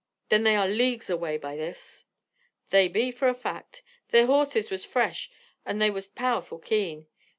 "Then they are leagues away by this." "They be, for a fact. Their horses was fresh and they was powerful keen.